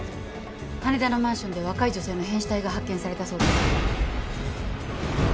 羽田のマンションで若い女性の変死体が発見されたそうです。